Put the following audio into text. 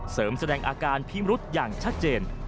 แสดงอาการพิมรุษอย่างชัดเจน